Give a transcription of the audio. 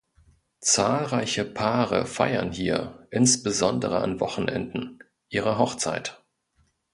Zahlreiche Paare feiern hier, insbesondere an Wochenenden, ihre Hochzeit.